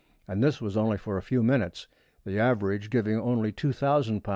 and this was only for a few minutes, the average giving only 2,000 lbs.